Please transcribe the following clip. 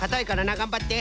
がんばって。